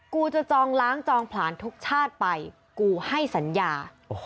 กูจะจองล้างจองผลาญทุกชาติไปกูให้สัญญา